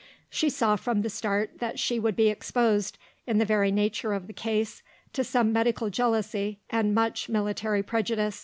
" She saw from the start that she would be exposed, in the very nature of the case, to some medical jealousy and much military prejudice.